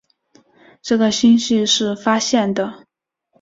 这个星系是发现的。